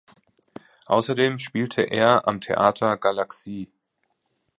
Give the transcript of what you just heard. Außerdem spielte er am Theater Galaxie.